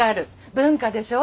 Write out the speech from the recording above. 文化でしょ？